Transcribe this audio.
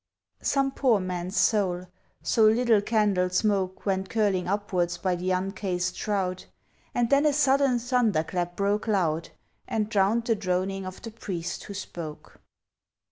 Some poor man's soul, so little candle smoke Went curling upwards by the uncased shroud, And then a sudden thunder clap broke loud, And drowned the droning of the priest who spoke.